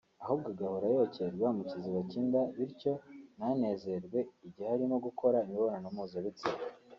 ahubwo agahora yocyerwa mu kiziba cy’inda bityo ntanezerwe igihe arimo gukora imibonano mpuzabitsina